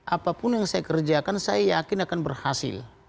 apapun yang saya kerjakan saya yakin akan berhasil